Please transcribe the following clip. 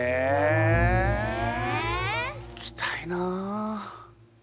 聞きたいな。